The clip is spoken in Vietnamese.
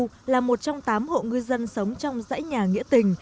trần văn cưu là một trong tám hộ ngư dân sống trong giãi nhà nghĩa tình